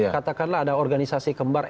katakanlah ada organisasi kembar